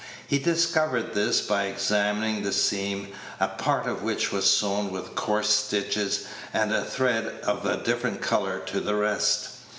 He discovered this by examining the seam, a part of which was sewn with coarse stitches, and a thread of a different color to the rest.